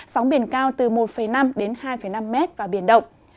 sóng biển cao từ một năm đến hai năm mét và biển động